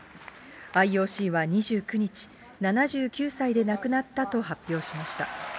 ＩＯＣは２９日、７９歳で亡くなったと発表しました。